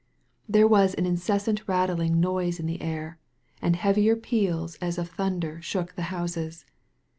There was an incessant rattling noise in the air, and heavier peals as of thunder shook the houses.